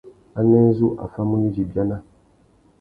Anē zu a famú yudza ibiana?